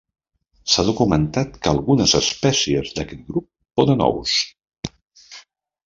S'ha documentat que algunes espècies d'aquest grup ponen ous.